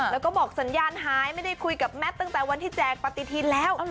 แล้วก็บอกสัญญาณหายไม่ได้คุยกับแมทตั้งแต่วันที่แจกปฏิทินแล้ว